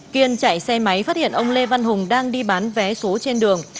kiên chạy xe máy phát hiện ông lê văn hùng đang đi bán vé số trên đường